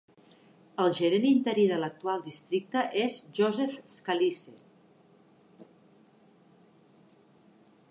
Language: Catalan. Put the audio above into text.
El gerent interí de l'actual districte és Joseph Scalise.